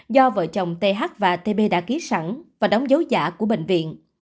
do vợ chồng th và tb đã ký sẵn và đóng dấu giả của bệnh viện